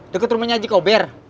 deket rumahnya jiko ber